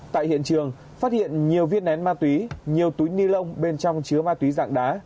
tại hiện trường phát hiện nhiều viên nén ma túy nhiều túi ni lông bên trong chứa ma túy dạng đá